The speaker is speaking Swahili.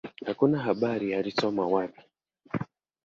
Hakuna habari alisoma wapi.